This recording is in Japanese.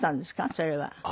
それは。